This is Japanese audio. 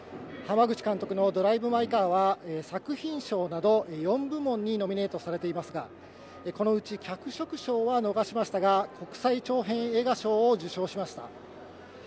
濱口監督の『ドライブ・マイ・カー』は作品賞など４部門にノミネートされていますが、このうち脚色賞は逃しましたが、国際長編映画賞を受賞しました。